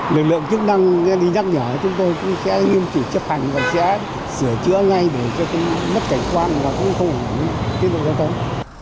lực lượng chức năng đi nhắc nhở chúng tôi cũng sẽ nghiêm trị chấp hành và sẽ sửa chữa ngay để cho mất cảnh quan và cũng không hủy tiết lục giao thông